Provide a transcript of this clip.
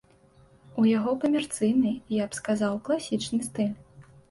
У яго камерцыйны, я б сказаў, класічны стыль.